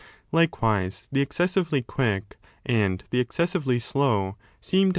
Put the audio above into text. ^ Likewise the excessively quick and the excessively slow seem to have poor memories.